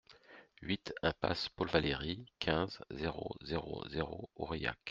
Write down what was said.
huit impasse Paul Valery, quinze, zéro zéro zéro, Aurillac